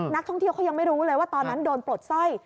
นักท่องเที่ยวเขายังไม่รู้เลยว่าตอนนั้นโดนปลดสร้อย